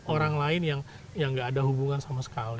orang lain yang gak ada hubungan sama sekali